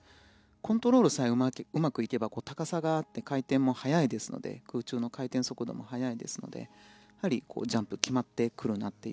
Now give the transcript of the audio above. コントロールさえうまくいけば高さがあって空中の回転速度も速いですのでやはりジャンプが決まってくるなと。